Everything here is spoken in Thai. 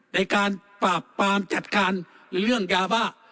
ในการปราบปรามจัดการเรื่องยาบ้า